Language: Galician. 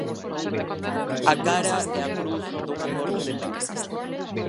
A cara e a cruz dun acordo de paz.